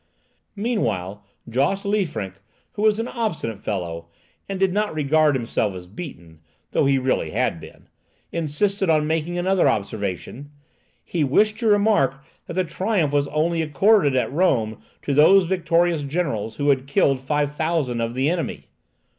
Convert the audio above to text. Meanwhile, Josse Liefrinck, who was an obstinate fellow, and did not regard himself as beaten, though he really had been, insisted on making another observation. He wished to remark that the triumph was only accorded at Rome to those victorious generals who had killed five thousand of the enemy.